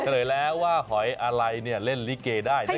เฉลยแล้วว่าหอยอะไรเนี่ยเล่นลิเกได้นะ